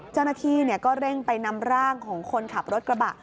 เจ้าหน้าที่ก็เร่งไปนำร่างของคนขับรถกระบะ